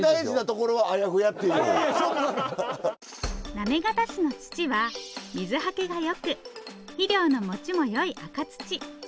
行方市の土は水はけがよく肥料のもちもよい赤土。